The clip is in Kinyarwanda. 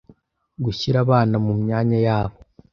Gushyira abana mu myanya yabo.